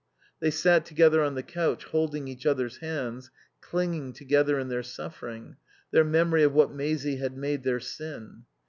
They sat together on the couch, holding each other's hands, clinging together in their suffering, their memory of what Maisie had made their sin.